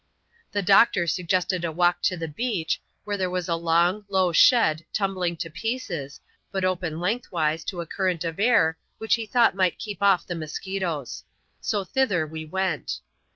The doctor suggested a walk to the beach, where there was a long, low shed tumbling to pieces, but open lengthwise to a current of air which he thought might keep off the musquitoes. So thither we went.